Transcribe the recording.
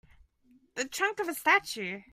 The trunk of a statue.